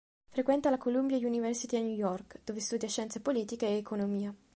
Frequenta la Columbia University a New York dove studia scienze politiche e economia.